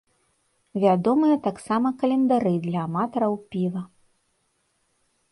Вядомыя таксама календары для аматараў піва.